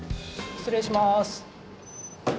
失礼します。